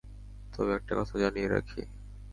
তবে, একটা কথা জানিয়ে রাখি।